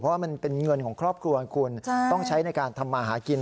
เพราะว่ามันเป็นเงินของครอบครัวคุณต้องใช้ในการทำมาหากิน